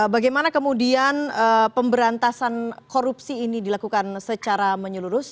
bagaimana kemudian pemberantasan korupsi ini dilakukan secara menyeluruh